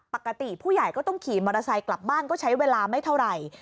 ปกติผู้ใหญ่ก็ต้องขี่มอเตอร์ไซค์กลับบ้านก็ใช้เวลาไม่เท่าไหร่